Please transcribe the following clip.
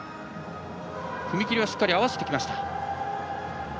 踏み切りはしっかり合わせてきました。